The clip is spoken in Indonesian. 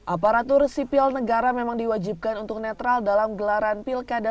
aparatur sipil negara memang diwajibkan untuk netral dalam gelaran pilkada